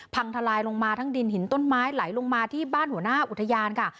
พังทลายลงมาทั้งดินหินต้นไม้ไหลลงมาที่บ้านหัวหน้าอุทยานค่ะ